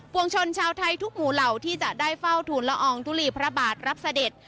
วงชนชาวไทยทุกหมู่เหล่าที่จะได้เฝ้าทุนละอองทุลีพระบาทรับเสด็จ